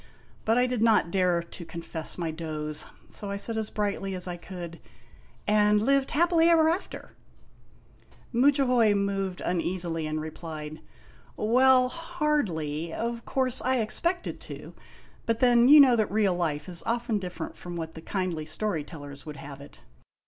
But I did not dare to confess my doze, so I said as brightly as I could :" And lived happily ever after !" Mudjahoy moved uneasily, and replied : "Well, hardly. Of course I expected to; but then, you know that real life is often different from what the kindly story tellers would have it.